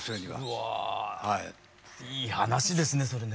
うおいい話ですねそれね。